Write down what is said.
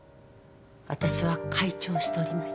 私は会長をしております。